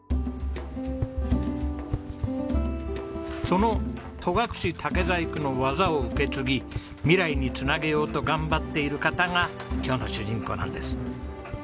その戸隠竹細工の技を受け継ぎ未来に繋げようと頑張っている方が今日の主人公なんです。